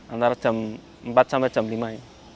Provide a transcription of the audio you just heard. antara jam empat sampai jam lima ya